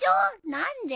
何で？